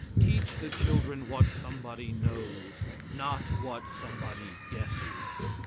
Teach the children what somebody knows, not what somebody guesses.